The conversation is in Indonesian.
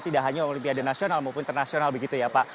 tidak hanya olimpiade nasional maupun internasional begitu ya pak